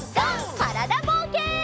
からだぼうけん。